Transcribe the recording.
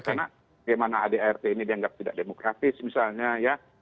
karena bagaimana adart ini dianggap tidak demokratis misalnya ya